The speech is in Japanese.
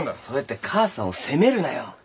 そうやって母さんを責めるなよ。